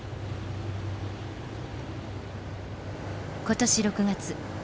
今年６月。